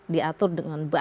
diatur dengan banyak